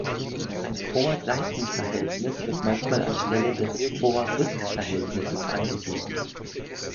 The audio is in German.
Ein Vor-Seiten-Verhältnis wird manchmal anstelle des Vor-Rück-Verhältnisses angegeben.